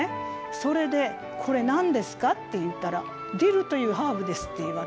それでこれ何ですかって言ったら「ディルというハーブです」って言うわけですね。